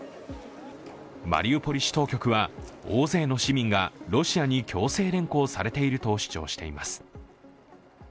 マリウポリ市当局は大勢の市民がロシアに強制連行されていると主張します。